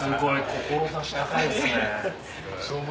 志高いっすね。